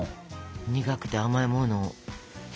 苦くて甘いもの。